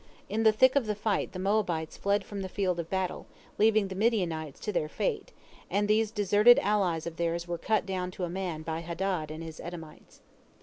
In the thick of the fight the Moabites fled from the field of battle, leaving the Midianites to their fate, and these deserted allies of theirs were cut down to a man by Hadad and his Edomites.